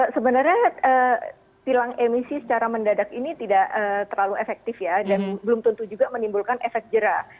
sebenarnya tilang emisi secara mendadak ini tidak terlalu efektif ya dan belum tentu juga menimbulkan efek jerah